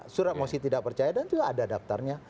surat mosi tidak percaya dan juga ada daftarnya